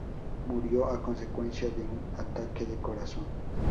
Murió a consecuencia de un ataque de corazón.